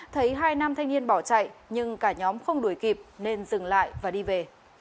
thấy hai nam thanh niên bỏ chạy nhưng cả nhóm không đuổi kịp nên dừng lại và đi về